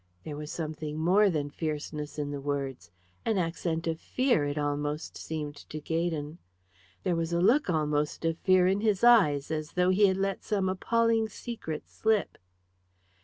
There was something more than fierceness in the words, an accent of fear, it almost seemed to Gaydon. There was a look almost of fear in his eyes, as though he had let some appalling secret slip.